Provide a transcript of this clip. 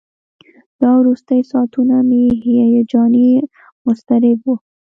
دا وروستي ساعتونه مې هیجاني او مضطرب وو.